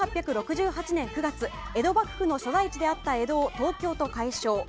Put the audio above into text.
１８６９年９月江戸幕府の所在地であった江戸を東京と改称。